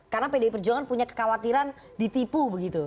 karena pdi perjuangan punya kekhawatiran ditipu begitu